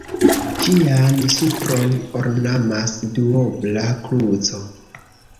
Ĝian supron ornamas duobla kruco.